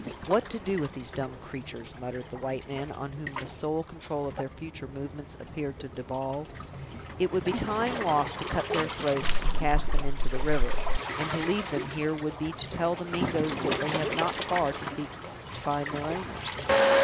"What to do with these dumb creatures!" muttered the white man, on whom the sole control of their future movements appeared to devolve; "it would be time lost to cut their throats, and cast them into the river; and to leave them here would be to tell the Mingoes that they have not far to seek to find their owners!"